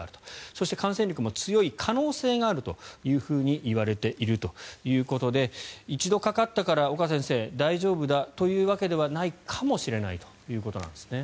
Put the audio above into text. そして感染力も強い可能性があるというふうにいわれているということで一度かかったから岡先生、大丈夫だというわけではないかもしれないということなんですね。